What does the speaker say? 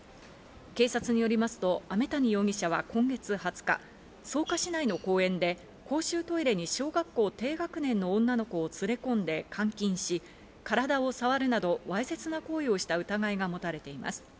警察によりますと飴谷容疑者は今月２０日、草加市内の公園で公衆トイレに小学校低学年の女の子を連れ込んで監禁し、体を触るなど、わいせつな行為をした疑いが持たれています。